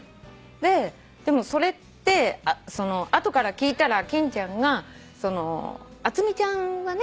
でもそれって後から聞いたら欽ちゃんが淳美ちゃんがね